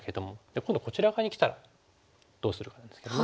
今度こちら側にきたらどうするかなんですけどもね。